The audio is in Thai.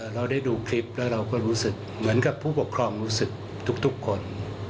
เราได้ดูคลิปแล้วเราก็รู้สึกเหมือนกับผู้ปกครองรู้สึกทุกคน